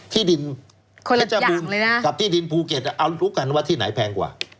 ที่ดินคนเพชรบูรณ์กับที่ดินภูเก็ตเอารู้กันว่าที่ไหนแพงกว่า